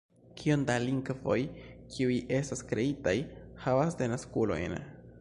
Kiom da lingvoj, kiuj estas kreitaj, havas denaskulojn?